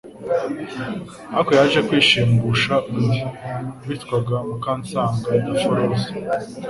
ariko yaje kwishumbusha undi witwaga Mukansanga Daforoza